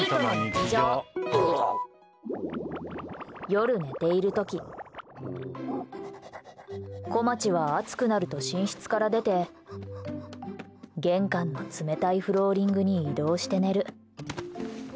夜、寝ている時こまちは暑くなると寝室から出て玄関の冷たいフローリングに移動して寝る。